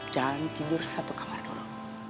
jalan tidur satu kamar dulu